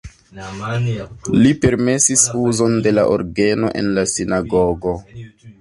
Li permesis uzon de la orgeno en la sinagogo.